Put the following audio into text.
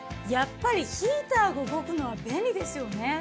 やっぱりヒーターが動くのは便利ですよね。